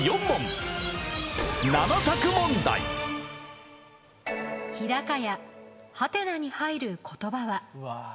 日高屋ハテナに入る言葉は？